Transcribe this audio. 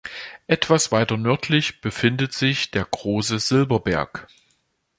Etwas weiter nördlich befindet sich der Große Silberberg.